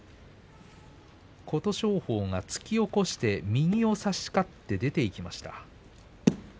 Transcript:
琴勝峰が突き起こして右を差し勝って出ていきました。